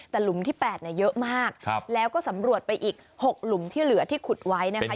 แต่หลุมที่๘เนี่ยเยอะมากแล้วก็สำรวจไปอีก๖หลุมที่เหลือที่ขุดไว้นะคะ